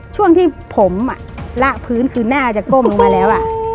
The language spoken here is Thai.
ช่วงที่ผมละพื้นคือหน้าจะก้มลงมาแล้ว